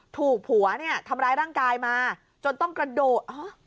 ถูกผัวเนี่ยทำร้ายร่างกายมาจนต้องกระโดด